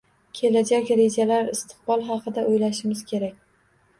Kelajak rejalar, istiqbol haqida oʻylashimiz kerak